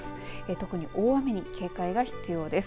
特に大雨に警戒が必要です。